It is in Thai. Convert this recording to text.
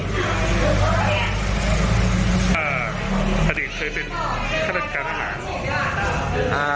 อ่าพระเด็นเคยเป็นคนอาหาร